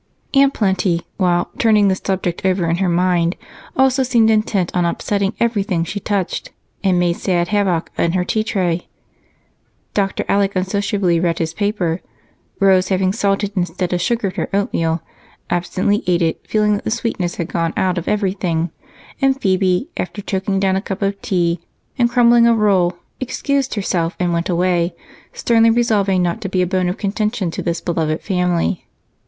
Aunt Plenty, while "turning the subject over in her mind," also seemed intent on upsetting everything she touched and made sad havoc in her tea tray; Dr. Alec unsociably read his paper; Rose, having salted instead of sugared her oatmeal, absently ate it, feeling that the sweetness had gone out of everything; and Phebe, after choking down a cup of tea and crumbling a roll, excused herself and went away, sternly resolving not to be a bone of contention to this beloved family.